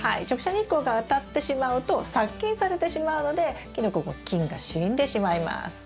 直射日光が当たってしまうと殺菌されてしまうのでキノコの菌が死んでしまいます。